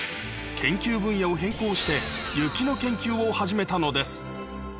研究分野を変更して、雪の研究を始めたのです。